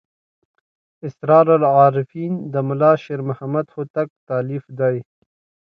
اسرار العارفین د ملا شیر محمد هوتک تألیف دی.